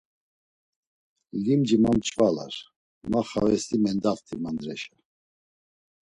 Limci ma mç̌valar, ma xavesli mendaft̆i mandreşa.